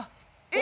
え！